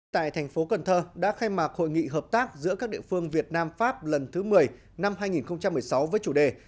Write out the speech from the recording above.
tại thành phố cần thơ đã khai mạc hội nghị hợp tác giữa các địa phương việt nam pháp lần thứ một mươi năm hai nghìn một mươi sáu với chủ đề